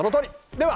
では